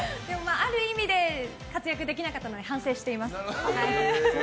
ある意味で活躍できなかったので反省しています。